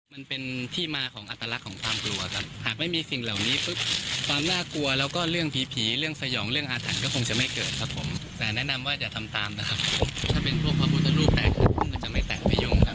เราก็จะเอาแต่อะไรที่มันไม่ใช่ครับ